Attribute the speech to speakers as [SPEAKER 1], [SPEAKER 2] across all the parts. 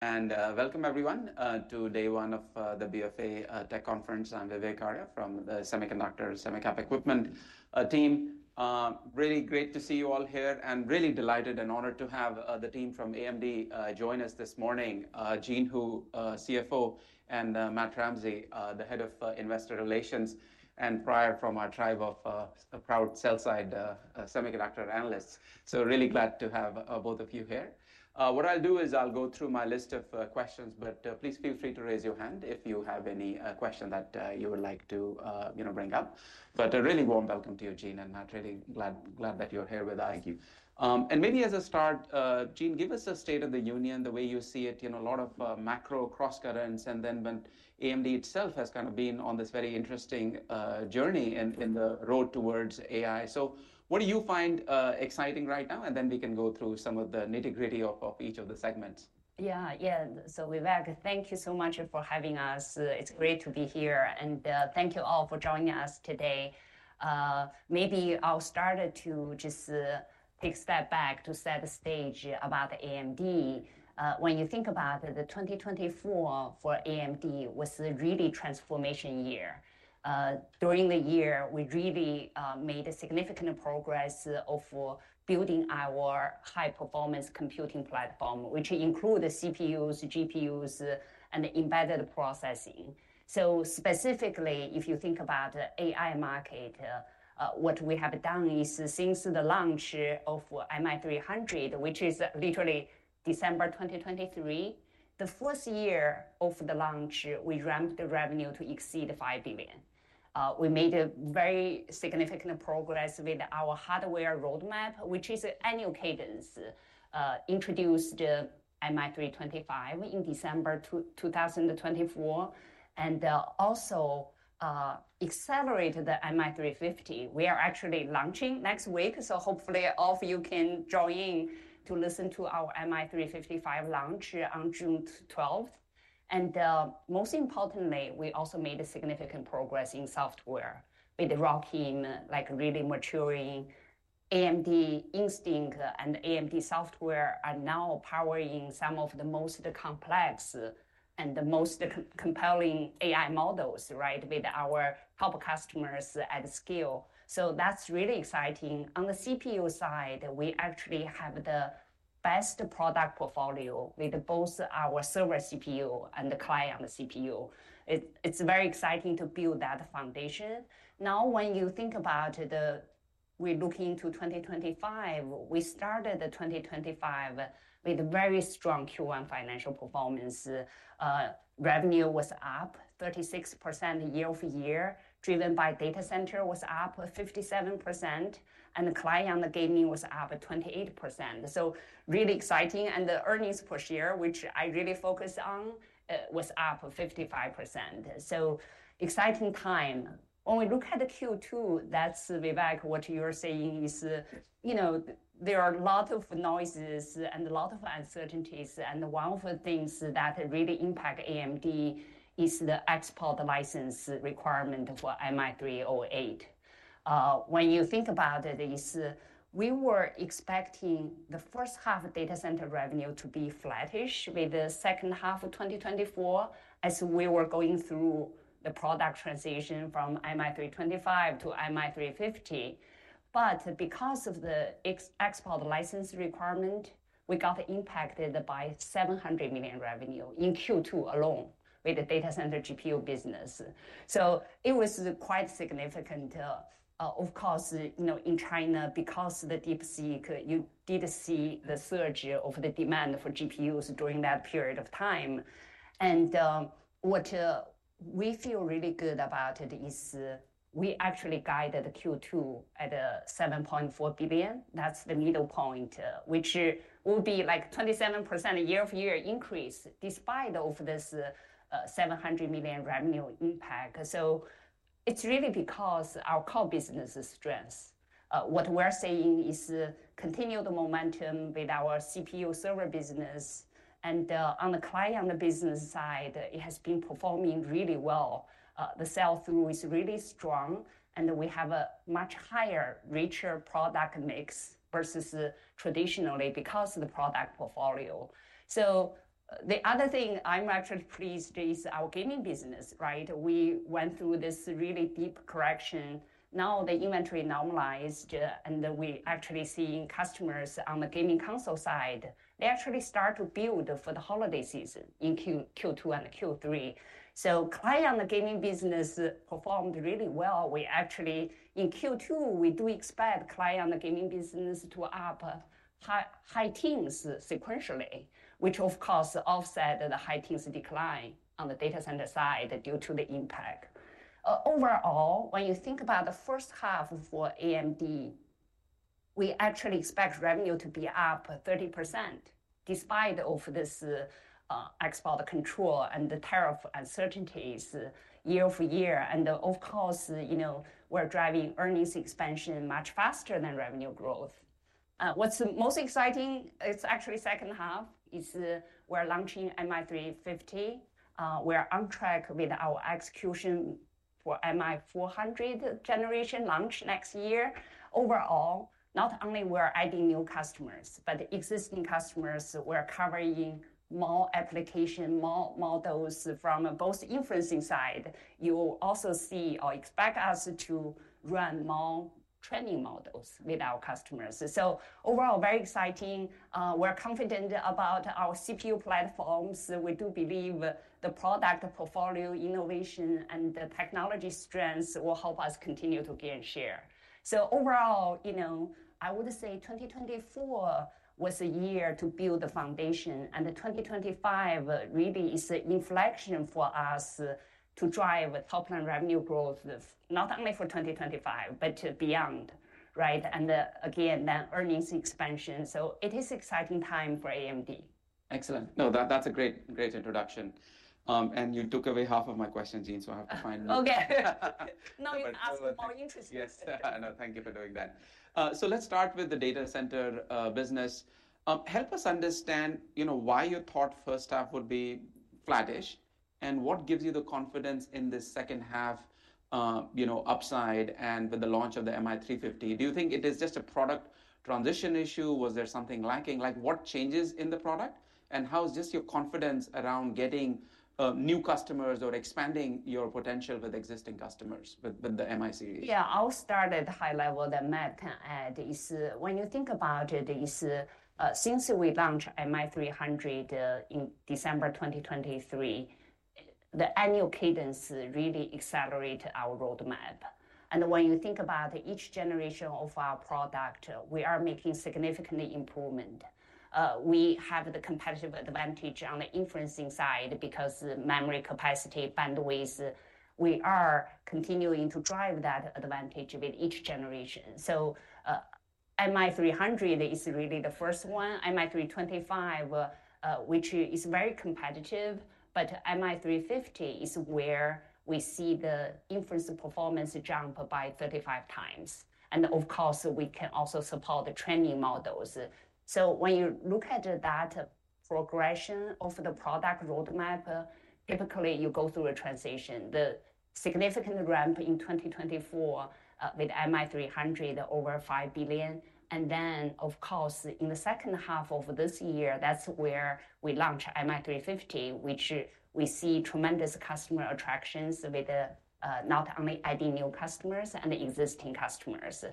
[SPEAKER 1] Welcome, everyone, to day one of the BFA Tech Conference. I'm Vivek Arya from the Semiconductor Semicap Equipment team. Really great to see you all here and really delighted and honored to have the team from AMD join us this morning, Jean Hu, CFO, and Matt Ramsay, the Head of Investor Relations, and prior from our tribe of proud sell-side semiconductor analysts. Really glad to have both of you here. What I'll do is go through my list of questions, but please feel free to raise your hand if you have any question that you would like to bring up. A really warm welcome to you, Jean, and really glad that you're here with us.
[SPEAKER 2] Thank you.
[SPEAKER 1] Jean, give us a state of the union, the way you see it, a lot of macro cross-currents, and then when AMD itself has kind of been on this very interesting journey in the road towards AI. What do you find exciting right now? We can go through some of the nitty-gritty of each of the segments.
[SPEAKER 3] Yeah, yeah. Vivek, thank you so much for having us. It's great to be here. Thank you all for joining us today. Maybe I'll start to just take a step back to set the stage about AMD. When you think about 2024 for AMD, it was a really transformation year. During the year, we really made significant progress over building our high-performance computing platform, which includes CPUs, GPUs, and embedded processing. Specifically, if you think about the AI market, what we have done is since the launch of MI300, which is literally December 2023, the first year of the launch, we ramped the revenue to exceed $5 billion. We made very significant progress with our hardware roadmap, which is annual cadence, introduced MI325 in December 2024, and also accelerated the MI350. We are actually launching next week. Hopefully all of you can join in to listen to our MI355 launch on June 12th. Most importantly, we also made significant progress in software with ROCm, really maturing AMD Instinct and AMD software are now powering some of the most complex and the most compelling AI models with our top customers at scale. That is really exciting. On the CPU side, we actually have the best product portfolio with both our server CPU and the client CPU. It is very exciting to build that foundation. Now, when you think about we're looking into 2025, we started 2025 with very strong Q1 financial performance. Revenue was up 36% year-over-year, driven by data center was up 57%, and client on the gaming was up 28%. That is really exciting. The earnings per share, which I really focus on, was up 55%. Exciting time. When we look at the Q2, that's Vivek, what you're saying is there are a lot of noises and a lot of uncertainties. One of the things that really impact AMD is the export license requirement for MI308. When you think about this, we were expecting the first half of data center revenue to be flattish with the second half of 2024 as we were going through the product transition from MI325 to MI350. Because of the export license requirement, we got impacted by $700 million revenue in Q2 alone with the data center GPU business. It was quite significant. Of course, in China, because of DeepSeek, you did see the surge of the demand for GPUs during that period of time. What we feel really good about is we actually guided Q2 at $7.4 billion. That's the middle point, which will be like 27% year-over-year increase despite this $700 million revenue impact. It is really because of our core business strengths. What we're saying is continue the momentum with our CPU server business. On the client on the business side, it has been performing really well. The sell-through is really strong. We have a much higher, richer product mix versus traditionally because of the product portfolio. The other thing I'm actually pleased with is our gaming business. We went through this really deep correction. Now the inventory normalized, and we actually see customers on the gaming console side, they actually start to build for the holiday season in Q2 and Q3. Client on the gaming business performed really well. In Q2, we do expect client on the gaming business to up high teens sequentially, which of course offset the high teens decline on the data center side due to the impact. Overall, when you think about the first half for AMD, we actually expect revenue to be up 30% despite of this export control and the tariff uncertainties year-over-year. Of course, we're driving earnings expansion much faster than revenue growth. What's most exciting is actually second half is we're launching MI350. We're on track with our execution for MI400 generation launch next year. Overall, not only we're adding new customers, but existing customers, we're covering more application models from both inferencing side. You will also see or expect us to run more training models with our customers. Overall, very exciting. We're confident about our CPU platforms. We do believe the product portfolio innovation and the technology strengths will help us continue to gain share. Overall, I would say 2024 was a year to build the foundation. 2025 really is an inflection for us to drive top-line revenue growth, not only for 2025, but beyond. Again, that earnings expansion. It is an exciting time for AMD.
[SPEAKER 1] Excellent. No, that's a great introduction. You took away half of my question, Jean, so I have to find.
[SPEAKER 3] Oh, okay. No, you asked more interesting questions.
[SPEAKER 1] Yes. No, thank you for doing that. Let's start with the data center business. Help us understand why you thought first half would be flattish and what gives you the confidence in this second half upside and with the launch of the MI350. Do you think it is just a product transition issue? Was there something lacking? What changes in the product? How's just your confidence around getting new customers or expanding your potential with existing customers with the MI series?
[SPEAKER 3] Yeah, I'll start at the high level that Matt added. When you think about it, since we launched MI300 in December 2023, the annual cadence really accelerated our roadmap. When you think about each generation of our product, we are making significant improvement. We have the competitive advantage on the inferencing side because of memory capacity, bandwidth. We are continuing to drive that advantage with each generation. MI300 is really the first one. MI325, which is very competitive, but MI350 is where we see the inference performance jump by 35 times. Of course, we can also support the training models. When you look at that progression of the product roadmap, typically you go through a transition. The significant ramp in 2024 with MI300 over $5 billion. Of course, in the second half of this year, that's where we launched MI350, which we see tremendous customer attractions with, not only adding new customers and existing customers.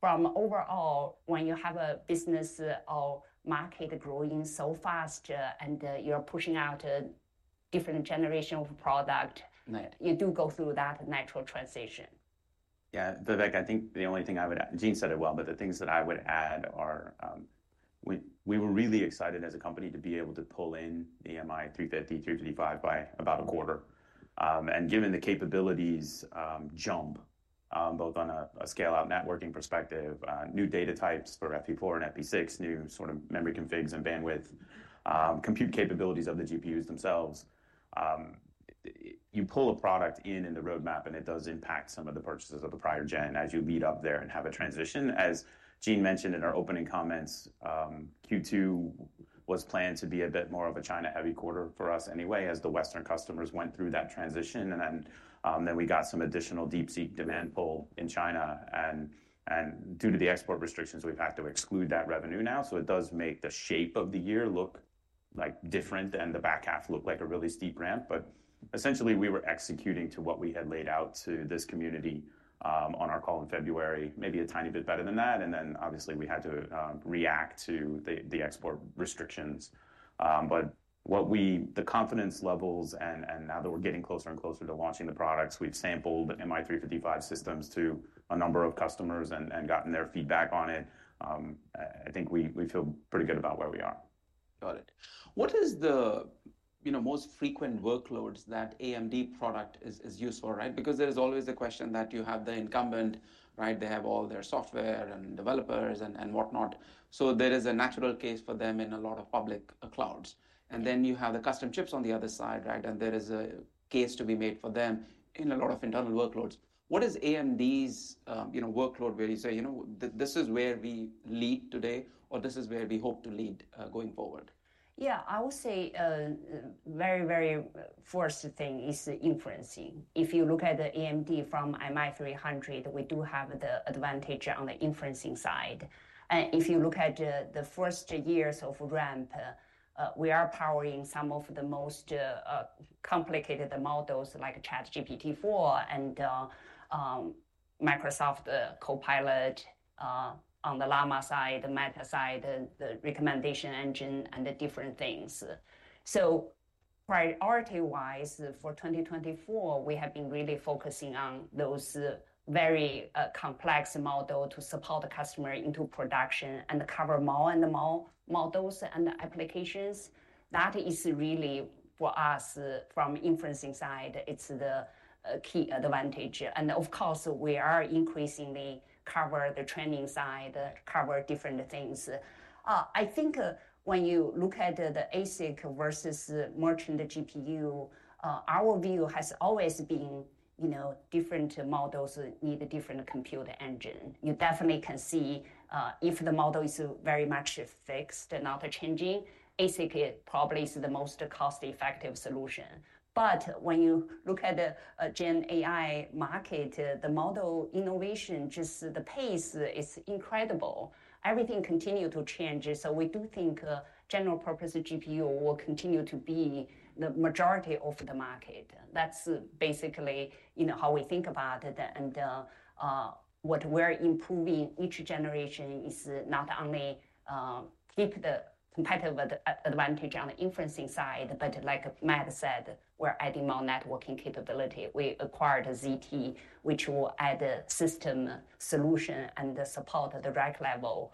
[SPEAKER 3] From overall, when you have a business or market growing so fast and you're pushing out a different generation of product, you do go through that natural transition.
[SPEAKER 2] Yeah, Vivek, I think the only thing I would add, Jean said it well, but the things that I would add are we were really excited as a company to be able to pull in the MI350, 335 by about a quarter. Given the capabilities jump, both on a scale-out networking perspective, new data types for FP4 and FP6, new sort of memory configs and bandwidth, compute capabilities of the GPUs themselves. You pull a product in in the roadmap and it does impact some of the purchases of the prior gen as you lead up there and have a transition. As Jean mentioned in her opening comments, Q2 was planned to be a bit more of a China-heavy quarter for us anyway as the Western customers went through that transition. We got some additional DeepSeek demand pull in China. Due to the export restrictions, we've had to exclude that revenue now. It does make the shape of the year look different and the back half look like a really steep ramp. Essentially, we were executing to what we had laid out to this community on our call in February, maybe a tiny bit better than that. Obviously, we had to react to the export restrictions. The confidence levels, and now that we're getting closer and closer to launching the products, we've sampled MI355 systems to a number of customers and gotten their feedback on it. I think we feel pretty good about where we are.
[SPEAKER 1] Got it. What is the most frequent workloads that AMD product is used for? Because there is always the question that you have the incumbent, they have all their software and developers and whatnot. There is a natural case for them in a lot of public clouds. Then you have the custom chips on the other side. There is a case to be made for them in a lot of internal workloads. What is AMD's workload where you say, this is where we lead today or this is where we hope to lead going forward?
[SPEAKER 3] Yeah, I would say a very, very first thing is inferencing. If you look at AMD from MI300, we do have the advantage on the inferencing side. If you look at the first years of ramp, we are powering some of the most complicated models like ChatGPT 4 and Microsoft Copilot. On the Llama side, the Meta side, the recommendation engine, and the different things. Priority-wise for 2024, we have been really focusing on those very complex models to support the customer into production and cover more and more models and applications. That is really for us from inferencing side, it's the key advantage. Of course, we are increasingly covering the training side, covering different things. I think when you look at the ASIC versus merchant GPU, our view has always been different models need different compute engine. You definitely can see if the model is very much fixed and not changing, ASIC probably is the most cost-effective solution. When you look at the gen AI market, the model innovation, just the pace is incredible. Everything continues to change. We do think general purpose GPU will continue to be the majority of the market. That's basically how we think about it. What we're improving each generation is not only keep the competitive advantage on the inferencing side, but like Matt said, we're adding more networking capability. We acquired ZT, which will add a system solution and support the rack level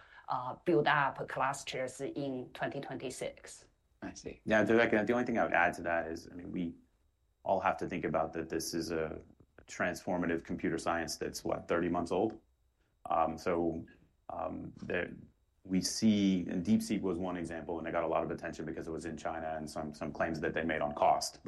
[SPEAKER 3] build-up clusters in 2026.
[SPEAKER 1] I see.
[SPEAKER 2] Yeah, Vivek, the only thing I would add to that is we all have to think about that this is a transformative computer science that's, what, 30 months old. We see DeepSeek was one example, and it got a lot of attention because it was in China and some claims that they made on cost.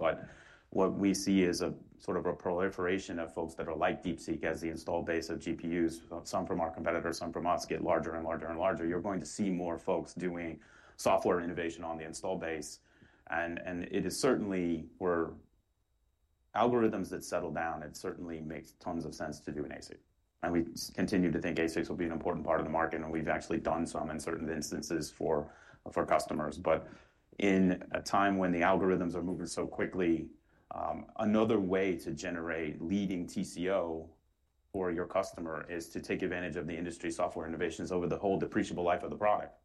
[SPEAKER 2] What we see is a sort of a proliferation of folks that are like DeepSeek as the install base of GPUs. Some from our competitors, some from us get larger and larger and larger. You're going to see more folks doing software innovation on the install base. It is certainly where algorithms that settle down, it certainly makes tons of sense to do an ASIC. We continue to think ASICs will be an important part of the market. We've actually done some in certain instances for customers. In a time when the algorithms are moving so quickly, another way to generate leading TCO for your customer is to take advantage of the industry software innovations over the whole depreciable life of the product.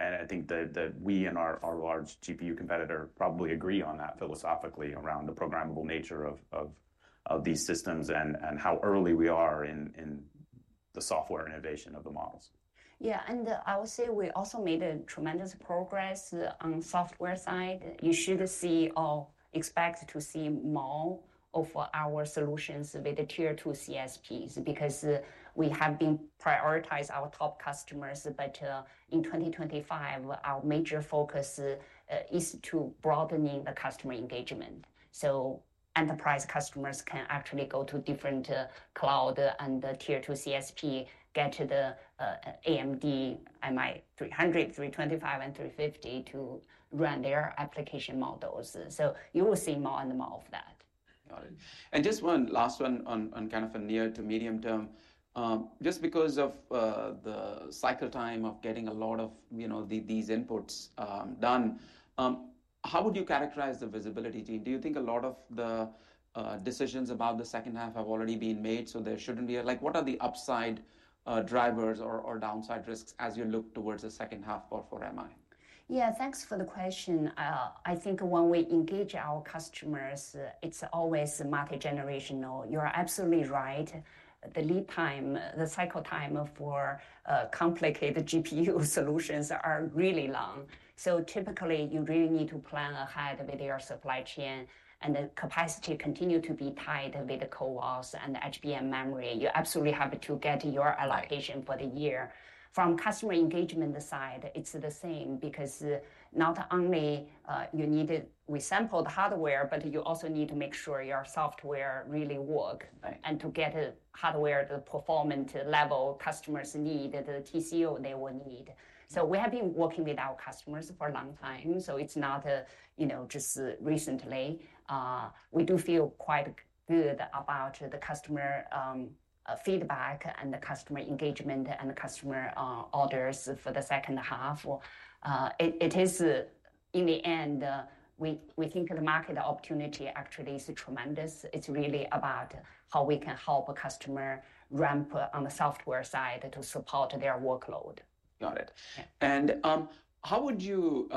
[SPEAKER 2] I think that we and our large GPU competitor probably agree on that philosophically around the programmable nature of these systems and how early we are in the software innovation of the models.
[SPEAKER 3] Yeah, and I would say we also made tremendous progress on the software side. You should see or expect to see more of our solutions with the Tier 2 CSPs because we have been prioritizing our top customers. In 2025, our major focus is to broaden the customer engagement so enterprise customers can actually go to different cloud and Tier 2 CSP, get the AMD MI300, 325, and 350 to run their application models. You will see more and more of that.
[SPEAKER 1] Got it. Just one last one on kind of a near to medium term. Just because of the cycle time of getting a lot of these inputs done, how would you characterize the visibility, Jean? Do you think a lot of the decisions about the second half have already been made? There should not be a, what are the upside drivers or downside risks as you look towards the second half for MI?
[SPEAKER 3] Yeah, thanks for the question. I think when we engage our customers, it's always multi-generational. You're absolutely right. The lead time, the cycle time for complicated GPU solutions are really long. Typically, you really need to plan ahead with your supply chain and the capacity continues to be tied with the CoWoS and HBM memory. You absolutely have to get your allocation for the year. From customer engagement side, it's the same because not only you need to resample the hardware, but you also need to make sure your software really works and to get hardware to the performance level customers need, the TCO they will need. We have been working with our customers for a long time. It's not just recently. We do feel quite good about the customer feedback and the customer engagement and the customer orders for the second half. In the end, we think the market opportunity actually is tremendous. It's really about how we can help a customer ramp on the software side to support their workload.
[SPEAKER 1] Got it. How would you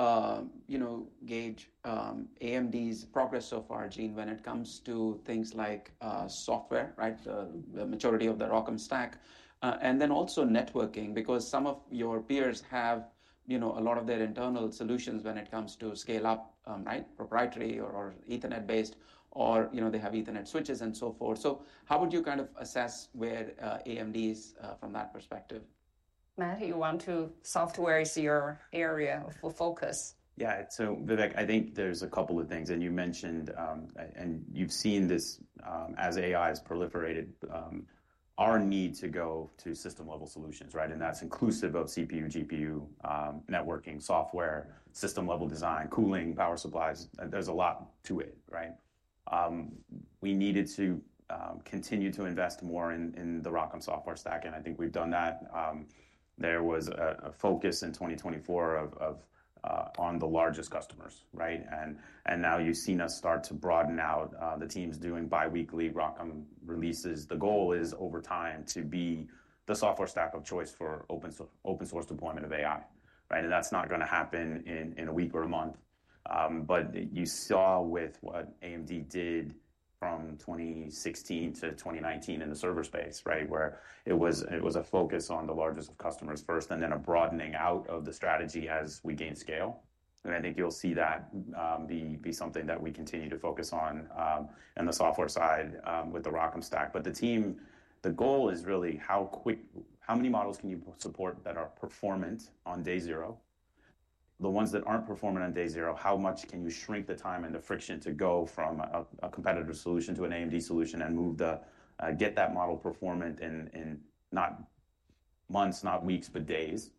[SPEAKER 1] gauge AMD's progress so far, Jean, when it comes to things like software, the majority of the ROCm stack, and then also networking? Because some of your peers have a lot of their internal solutions when it comes to scale-up proprietary or Ethernet-based, or they have Ethernet switches and so forth. How would you kind of assess where AMD is from that perspective?
[SPEAKER 3] Matt, you want to software is your area of focus.
[SPEAKER 2] Yeah, Vivek, I think there's a couple of things. You mentioned and you've seen this as AI has proliferated, our need to go to system-level solutions. That's inclusive of CPU, GPU, networking, software, system-level design, cooling, power supplies. There's a lot to it. We needed to continue to invest more in the ROCm software stack. I think we've done that. There was a focus in 2024 on the largest customers. Now you've seen us start to broaden out the teams doing biweekly ROCm releases. The goal is over time to be the software stack of choice for open-source deployment of AI. That's not going to happen in a week or a month. You saw with what AMD did from 2016 to 2019 in the server space, where it was a focus on the largest of customers first and then a broadening out of the strategy as we gain scale. I think you'll see that be something that we continue to focus on in the software side with the ROCm stack. The team, the goal is really how many models can you support that are performant on day zero? The ones that aren't performant on day zero, how much can you shrink the time and the friction to go from a competitor solution to an AMD solution and get that model performant in not months, not weeks, but days?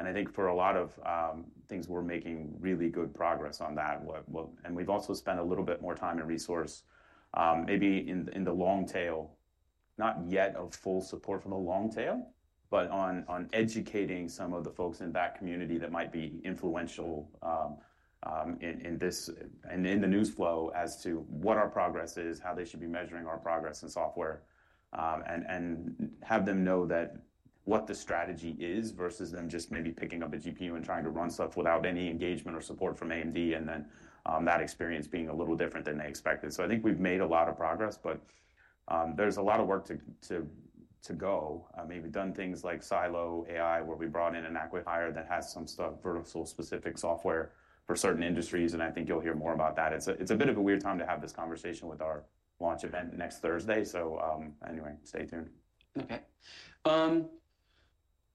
[SPEAKER 2] I think for a lot of things, we're making really good progress on that. We have also spent a little bit more time and resource maybe in the long tail, not yet a full support for the long tail, but on educating some of the folks in that community that might be influential in this and in the news flow as to what our progress is, how they should be measuring our progress in software, and have them know what the strategy is versus them just maybe picking up a GPU and trying to run stuff without any engagement or support from AMD and then that experience being a little different than they expected. I think we have made a lot of progress, but there is a lot of work to go. We have done things like Silo AI, where we brought in an acquihire that has some stuff, vertical-specific software for certain industries. I think you will hear more about that. It's a bit of a weird time to have this conversation with our launch event next Thursday. Anyway, stay tuned.
[SPEAKER 1] Okay.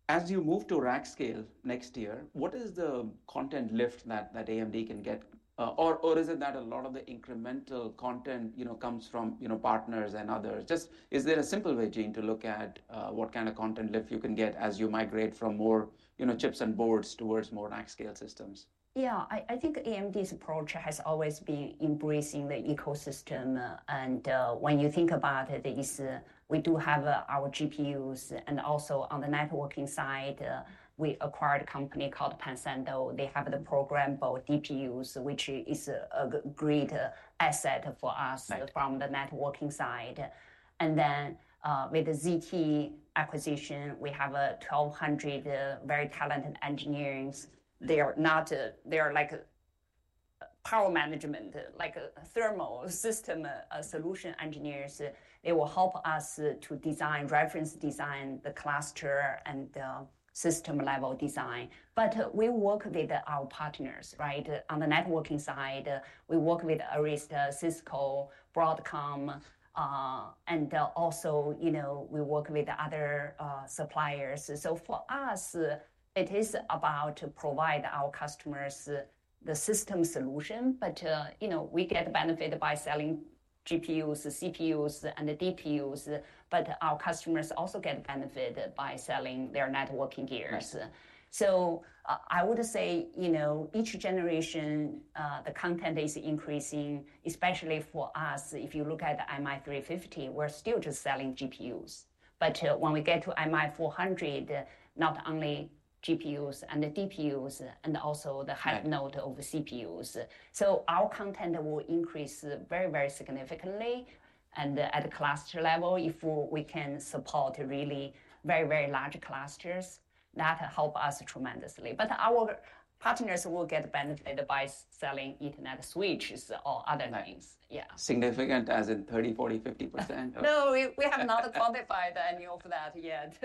[SPEAKER 1] As you move to rack scale next year, what is the content lift that AMD can get? Or is it that a lot of the incremental content comes from partners and others? Just is there a simple way, Jean, to look at what kind of content lift you can get as you migrate from more chips and boards towards more rack scale systems?
[SPEAKER 3] Yeah, I think AMD's approach has always been embracing the ecosystem. When you think about it, we do have our GPUs. Also, on the networking side, we acquired a company called Pensando. They have the programmable DPUs, which is a great asset for us from the networking side. With the ZT acquisition, we have 1,200 very talented engineers. They are like power management, like thermal system solution engineers. They will help us to design, reference design, the cluster and system-level design. We work with our partners. On the networking side, we work with Arista, Cisco, Broadcom, and also we work with other suppliers. For us, it is about to provide our customers the system solution, but we get benefit by selling GPUs, CPUs, and DPUs. Our customers also get benefit by selling their networking gears. I would say each generation, the content is increasing, especially for us. If you look at the MI350, we're still just selling GPUs. When we get to MI400, not only GPUs and DPUs and also the higher node of CPUs. Our content will increase very, very significantly. At the cluster level, if we can support really very, very large clusters, that helps us tremendously. Our partners will get benefit by selling Ethernet switches or other things. Yeah.
[SPEAKER 1] Significant as in 30%, 40%, 50%?
[SPEAKER 3] No, we have not quantified any of that yet.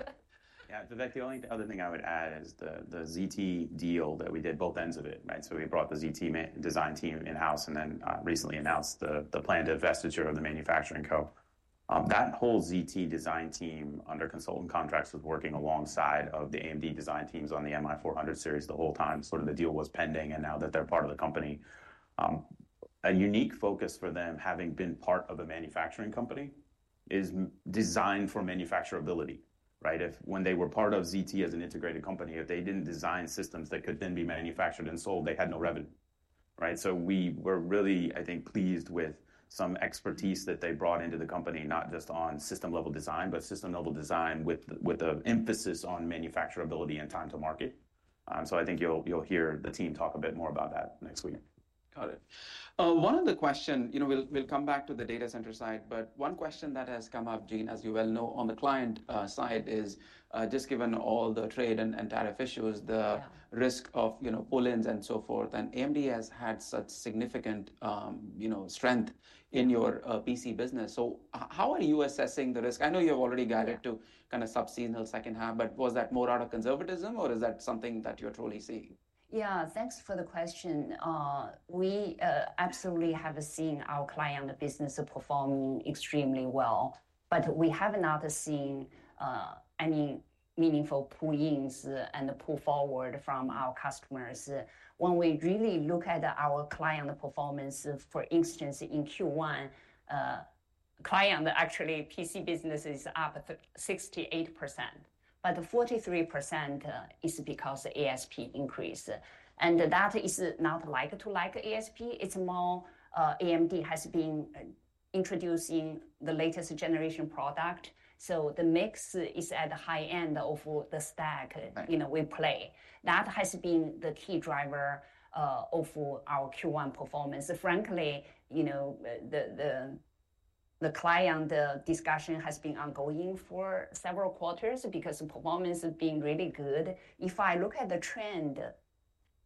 [SPEAKER 2] Yeah, Vivek, the only other thing I would add is the ZT deal that we did both ends of it. We brought the ZT design team in-house and then recently announced the planned investiture of the manufacturing co. That whole ZT design team under consultant contracts was working alongside the AMD design teams on the MI400 series the whole time. The deal was pending. Now that they're part of the company, a unique focus for them, having been part of a manufacturing company, is design for manufacturability. When they were part of ZT as an integrated company, if they did not design systems that could then be manufactured and sold, they had no revenue. We were really, I think, pleased with some expertise that they brought into the company, not just on system-level design, but system-level design with an emphasis on manufacturability and time to market. I think you'll hear the team talk a bit more about that next week.
[SPEAKER 1] Got it. One of the questions, we'll come back to the data center side, but one question that has come up, Jean, as you well know on the client side is just given all the trade and tariff issues, the risk of pull-ins and so forth. And AMD has had such significant strength in your PC business. How are you assessing the risk? I know you've already guided to kind of subseasonal second half, but was that more out of conservatism, or is that something that you're truly seeing?
[SPEAKER 3] Yeah, thanks for the question. We absolutely have seen our client business performing extremely well, but we have not seen any meaningful pull-ins and pull-forward from our customers. When we really look at our client performance, for instance, in Q1, client actually PC business is up 68%. But 43% is because of ASP increase. And that is not like to like ASP. It's more AMD has been introducing the latest generation product. So the mix is at the high end of the stack we play. That has been the key driver of our Q1 performance. Frankly, the client discussion has been ongoing for several quarters because performance has been really good. If I look at the trend,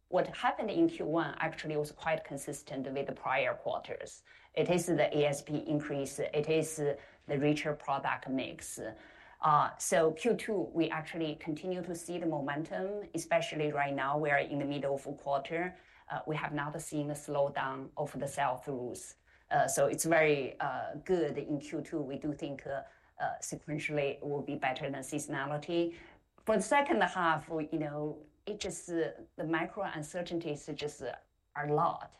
[SPEAKER 3] what happened in Q1 actually was quite consistent with the prior quarters. It is the ASP increase. It is the richer product mix. Q2, we actually continue to see the momentum, especially right now where in the middle of a quarter, we have not seen a slowdown of the sell-throughs. It is very good in Q2. We do think sequentially it will be better than seasonality. For the second half, the micro uncertainties just are a lot.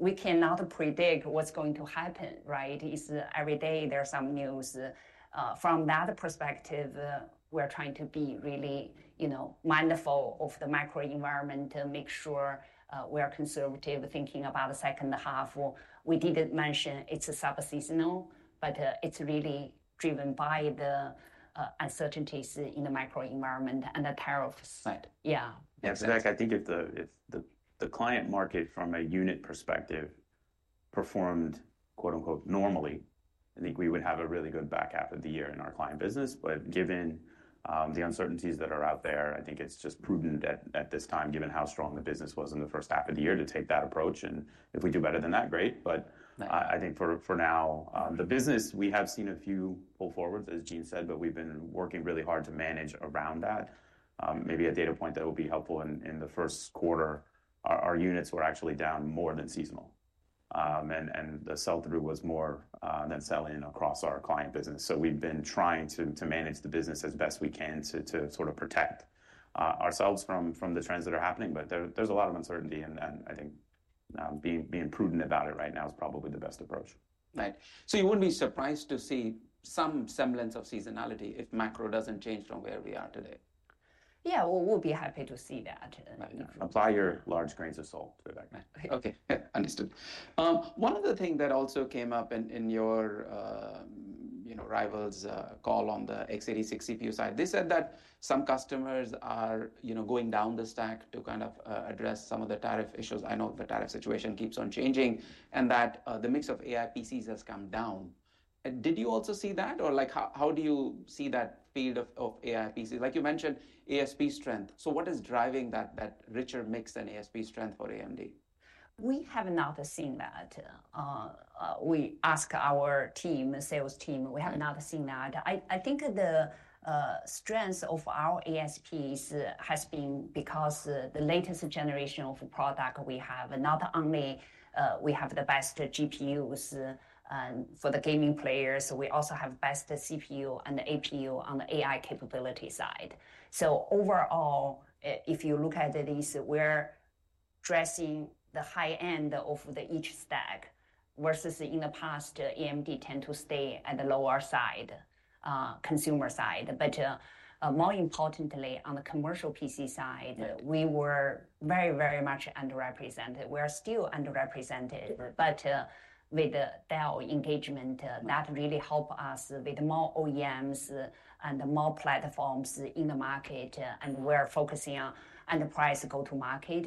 [SPEAKER 3] We cannot predict what's going to happen. Every day there's some news. From that perspective, we're trying to be really mindful of the micro environment and make sure we are conservative thinking about the second half. We did mention it's sub-seasonal, but it's really driven by the uncertainties in the micro environment and the tariffs.
[SPEAKER 1] Right.
[SPEAKER 3] Yeah.
[SPEAKER 2] Yeah, Vivek, I think if the client market from a unit perspective performed "normally," I think we would have a really good back half of the year in our client business. Given the uncertainties that are out there, I think it's just prudent at this time, given how strong the business was in the first half of the year, to take that approach. If we do better than that, great. I think for now, the business, we have seen a few pull-forwards, as Jean said, but we've been working really hard to manage around that. Maybe a data point that will be helpful, in the first quarter, our units were actually down more than seasonal. The sell-through was more than selling across our client business. We have been trying to manage the business as best we can to sort of protect ourselves from the trends that are happening. There is a lot of uncertainty. I think being prudent about it right now is probably the best approach.
[SPEAKER 1] Right. You would not be surprised to see some semblance of seasonality if macro does not change from where we are today?
[SPEAKER 3] Yeah, we'll be happy to see that.
[SPEAKER 2] Apply your large grains of salt, Vivek.
[SPEAKER 1] Okay, understood. One other thing that also came up in your rivals' call on the x86 CPU side, they said that some customers are going down the stack to kind of address some of the tariff issues. I know the tariff situation keeps on changing and that the mix of AI PCs has come down. Did you also see that? Or how do you see that field of AI PCs? Like you mentioned ASP strength. What is driving that richer mix than ASP strength for AMD?
[SPEAKER 3] We have not seen that. We ask our team, sales team, we have not seen that. I think the strength of our ASPs has been because the latest generation of product we have, not only we have the best GPUs for the gaming players, we also have best CPU and APU on the AI capability side. Overall, if you look at this, we're addressing the high end of each stack versus in the past, AMD tend to stay at the lower side, consumer side. More importantly, on the commercial PC side, we were very, very much underrepresented. We are still underrepresented, but with Dell engagement, that really helped us with more OEMs and more platforms in the market. We're focusing on enterprise go-to-market.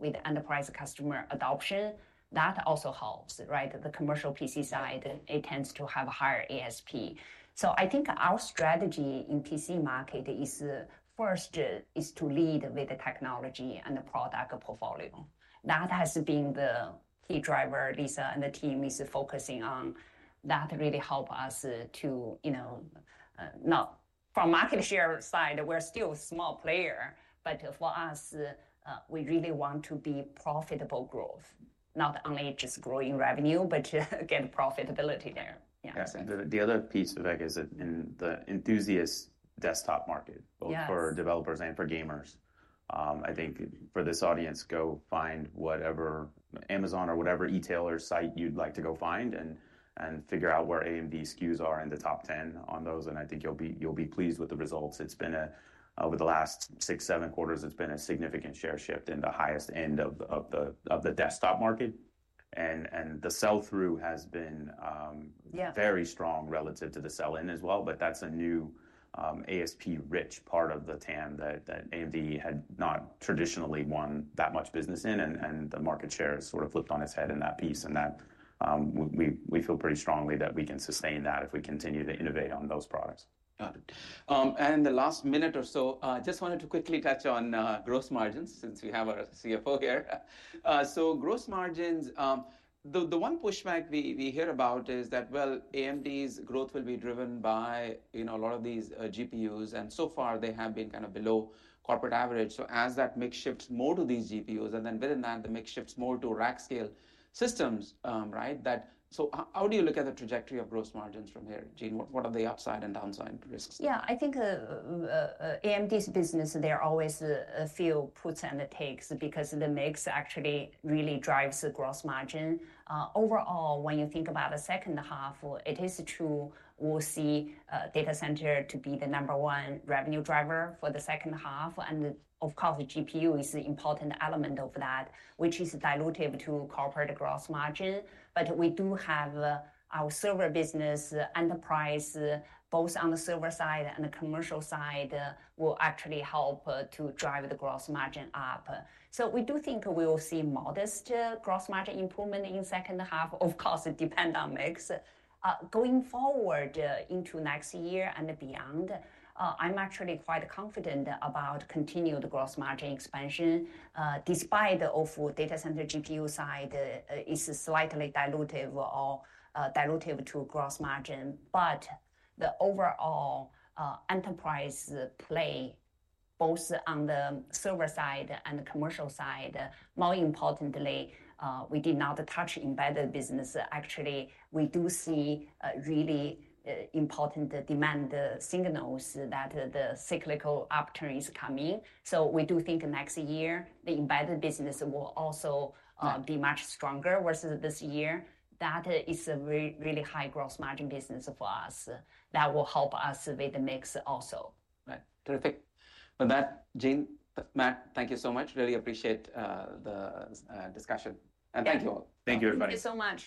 [SPEAKER 3] With enterprise customer adoption, that also helps. The commercial PC side, it tends to have a higher ASP. I think our strategy in PC market is first is to lead with the technology and the product portfolio. That has been the key driver Lisa and the team is focusing on that really helped us to not from market share side, we're still a small player, but for us, we really want to be profitable growth, not only just growing revenue, but get profitability there.
[SPEAKER 2] Yes. The other piece, Vivek, is in the enthusiast desktop market, both for developers and for gamers. I think for this audience, go find whatever Amazon or whatever e-tailer site you'd like to go find and figure out where AMD SKUs are in the top 10 on those. I think you'll be pleased with the results. It's been, over the last six, seven quarters, a significant share shift in the highest end of the desktop market. The sell-through has been very strong relative to the sell-in as well. That's a new ASP-rich part of the TAM that AMD had not traditionally won that much business in. The market share sort of flipped on its head in that piece. We feel pretty strongly that we can sustain that if we continue to innovate on those products.
[SPEAKER 1] Got it. In the last minute or so, I just wanted to quickly touch on gross margins since we have our CFO here. Gross margins, the one pushback we hear about is that, well, AMD's growth will be driven by a lot of these GPUs. And so far, they have been kind of below corporate average. As that mix shifts more to these GPUs, and then within that, the mix shifts more to rack scale systems, right? How do you look at the trajectory of gross margins from here, Jean? What are the upside and downside risks?
[SPEAKER 3] Yeah, I think AMD's business, there are always a few puts and takes because the mix actually really drives the gross margin. Overall, when you think about the second half, it is true we will see data center to be the number one revenue driver for the second half. Of course, GPU is an important element of that, which is diluted to corporate gross margin. We do have our server business enterprise, both on the server side and the commercial side, will actually help to drive the gross margin up. We do think we will see modest gross margin improvement in second half. Of course, it depends on mix. Going forward into next year and beyond, I'm actually quite confident about continued gross margin expansion. Despite of data center GPU side, it's slightly dilutive or diluted to gross margin. The overall enterprise play, both on the server side and the commercial side, more importantly, we did not touch embedded business. Actually, we do see really important demand signals that the cyclical upturn is coming. We do think next year, the embedded business will also be much stronger versus this year. That is a really high gross margin business for us that will help us with the mix also.
[SPEAKER 1] Right. Terrific. With that, Jean, Matt, thank you so much. Really appreciate the discussion. Thank you all.
[SPEAKER 2] Thank you, everybody.
[SPEAKER 3] Thank you so much.